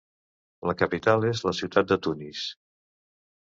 La capital és la ciutat de Tunis.